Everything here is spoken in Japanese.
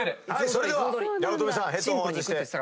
それでは八乙女さんヘッドホン外して。